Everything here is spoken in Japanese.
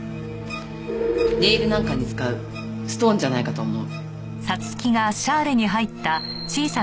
ネイルなんかに使うストーンじゃないかと思う。